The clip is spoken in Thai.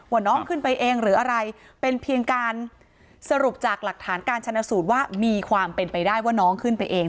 ว่าน้องขึ้นไปเองหรืออะไรเป็นเพียงการสรุปจากหลักฐานการชนะสูตรว่ามีความเป็นไปได้ว่าน้องขึ้นไปเอง